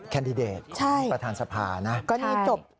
แคนดิเดตของประธานสภานะใช่ใช่ก็นี่จบ